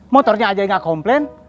motornya aja ga komplain